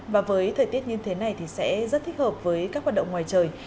và với thời tiết như thế này thì sẽ rất thích hợp với các hoạt động ngoài trời